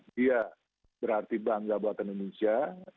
dia berarti bangga buatan indonesia